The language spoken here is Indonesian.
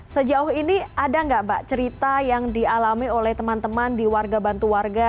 sejauh ini ada nggak mbak cerita yang dialami oleh teman teman di warga bantu warga